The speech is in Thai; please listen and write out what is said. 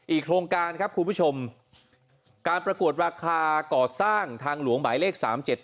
โครงการครับคุณผู้ชมการประกวดราคาก่อสร้างทางหลวงหมายเลข๓๗